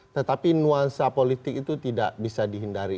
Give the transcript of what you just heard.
tetapi nuansa politik itu tidak bisa dihindari